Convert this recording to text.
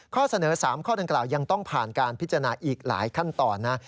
ข้อเสนอ๓ข้อดังกล่าวยังต้องผ่านการพิจารณาอีกหลายขั้นตอนนะ